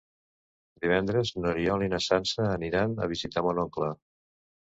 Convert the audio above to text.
Divendres n'Oriol i na Sança aniran a visitar mon oncle.